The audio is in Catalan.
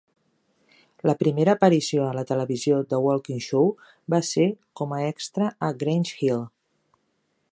La primera aparició a la televisió de Walkinshaw va ser com a extra a "Grange Hill".